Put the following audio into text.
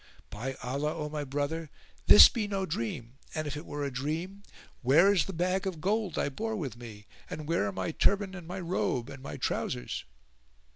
By Allah, O my brother, this be no dream, and if it were a dream, where is the bag of gold I bore with me and where are my turband and my robe, and my trousers?"